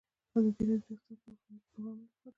ازادي راډیو د اقتصاد په اړه ښوونیز پروګرامونه خپاره کړي.